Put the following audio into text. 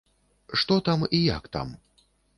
Што там і як там?